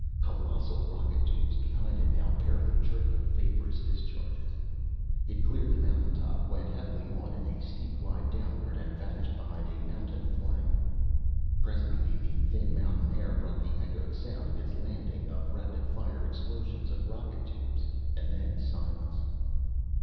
Colossal rocket tubes behind it now barely trickled vaporous discharges. It cleared the mountain top, went heavily on in a steep glide downward, and vanished behind a mountain flank. Presently the thin mountain air brought the echoed sound of its landing, of rapid fire explosions of rocket tubes, and then silence.